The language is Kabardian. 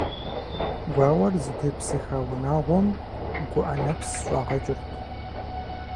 Гуауэр зытепсыха унагъуэм гуӀэ нэпс щӀагъэкӀырт.